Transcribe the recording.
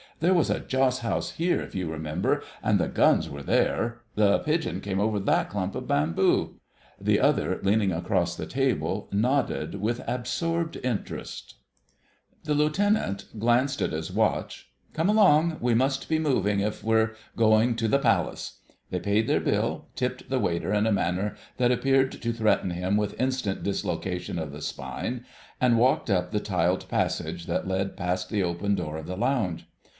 "There was a joss house here, if you remember, and the guns were here ... the pigeon came over that clump of bamboo...." The other, leaning across the table, nodded with absorbed interest. /TB The Lieutenant glanced at his watch. "Come along; we must be moving if we're going to the 'Palace.'" They paid their bill, tipped the waiter in a manner that appeared to threaten him with instant dislocation of the spine, and walked up the tiled passage that led past the open door of the lounge.